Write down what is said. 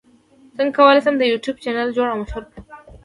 څنګه کولی شم د یوټیوب چینل جوړ او مشهور کړم